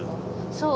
そう。